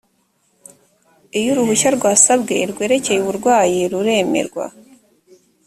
iyo uruhushya rwasabwe rwerekeye uburwayi ruremerwa